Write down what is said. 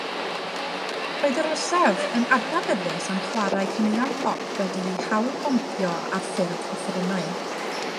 Roedd yr orsaf yn adnabyddus am chwarae caneuon pop wedi'u hailwampio ar ffurf offerynnau.